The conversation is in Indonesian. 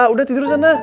udah tidur sana